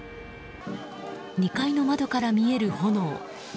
２階の窓から見える炎。